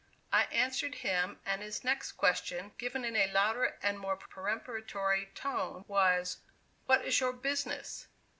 I answered him, and his next question, given in a louder and more peremptory tone, was: "What is your business?"